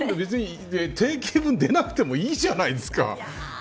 別に定型文、出なくてもいいじゃないですか。